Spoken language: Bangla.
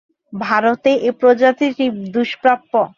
ভারতে এই প্রজাতিটি দুষ্প্রাপ্য।